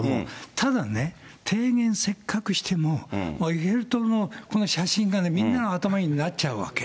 ただね、提言せっかくしても、エッフェル塔のこの写真がね、みんなの頭になっちゃうわけ。